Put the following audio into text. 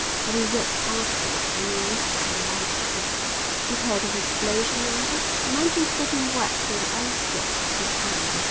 And we work hard for it, and we risk our lives to get it. You've heard of explosion yonder?" He mentioned certain works on the outskirts of the town.